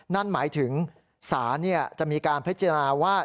นั่นหมายถึงศาลจะมีการพิจารณาว่า